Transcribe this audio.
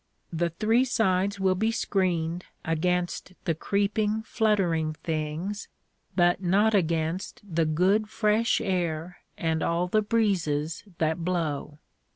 The three sides will be screened against the creeping, fluttering things, but not against the good fresh air and all the breezes that blow.